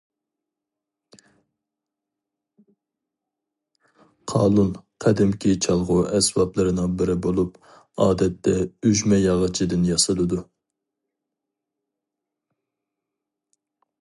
قالۇن- قەدىمكى چالغۇ ئەسۋابلىرىنىڭ بىرى بولۇپ، ئادەتتە ئۈجمە ياغىچىدىن ياسىلىدۇ.